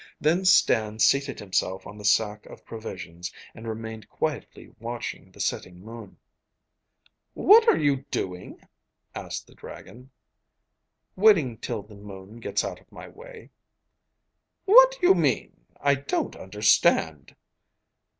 Then Stan seated himself on the sack of provisions, and remained quietly watching the setting moon. 'What are you doing?' asked the dragon. 'Waiting till the moon gets out of my way.' 'What do you mean? I don't understand.